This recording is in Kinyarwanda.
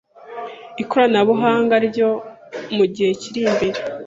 ikoranabuhanga ryo mu gihe kiri imbere